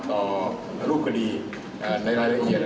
ต่อรูปคดีในรายละเอียด